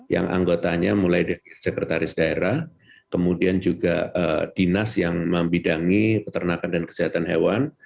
yang anggotanya mulai dari sekretaris daerah kemudian juga dinas yang membidangi peternakan dan kesehatan hewan